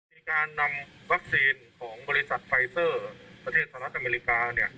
มีการนำวัคซีนของบริษัทไฟเซอร์ประเทศสหรัฐอเมริกา